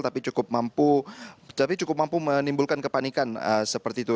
tetapi cukup mampu menimbulkan kepanikan seperti itu